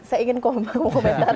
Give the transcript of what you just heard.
saya ingin komentar dulu